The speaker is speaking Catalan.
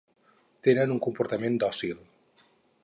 Tenen un comportament dòcil.